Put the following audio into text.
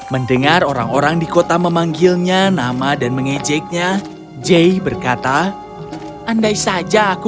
mendengar orang orang di kota memanggilnya nama dan mengejeknya jay berkata andai saja aku